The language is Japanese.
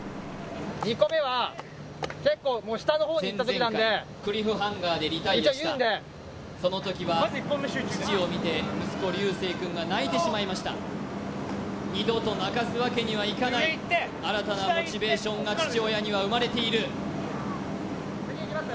前々回クリフハンガーでリタイアしたその時は父を見て息子・琉青くんが泣いてしまいました二度と泣かすわけにはいかない上行って下行って新たなモチベーションが父親には生まれている次いきます？